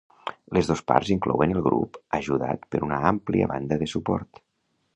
Les dos parts inclouen el grup ajudat per una àmplia banda de suport.